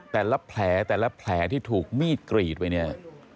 แต่ละแผลแต่ละแผลที่ถูกมีดกรีดไปเนี่ย